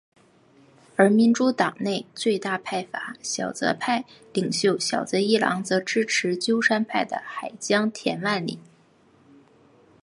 而民主党内最大派阀小泽派领袖小泽一郎则支持鸠山派的海江田万里。